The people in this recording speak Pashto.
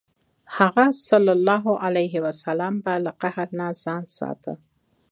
هغه ﷺ به له قهر نه ځان ساته.